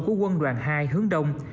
của quân đoàn hai hướng đông